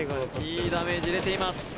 いいダメージ入れています。